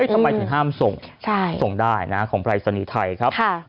ทำไมถึงห้ามส่งส่งได้นะของปรายศนีย์ไทยครับ